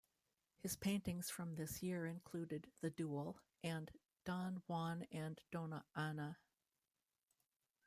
His paintings from this year included "The Duel" and "Don Juan and Dona Anna".